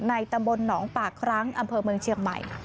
ตำบลหนองปากครั้งอำเภอเมืองเชียงใหม่